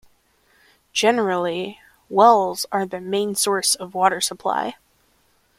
Generally wells are the main source of water-supply.